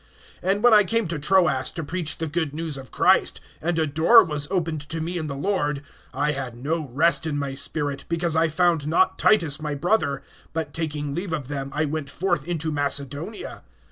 (12)And when I came to Troas to preach the good news of Christ, and a door was opened to me in the Lord, (13)I had no rest in my spirit, because I found not Titus my brother; but taking leave of them, I went forth into Macedonia.